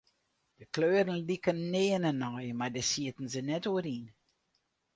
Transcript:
De kleuren liken nearne nei, mar dêr sieten se net oer yn.